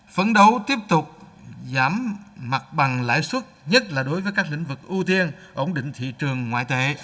phấn đấu tiếp tục giảm mặt bằng lãi suất nhất là đối với các lĩnh vực ưu tiên ổn định thị trường ngoại tệ